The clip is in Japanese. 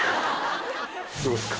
どうですか？